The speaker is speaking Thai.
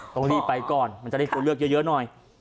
ต้องรีบไปก่อนมันจะได้คนเลือกเยอะหน่อย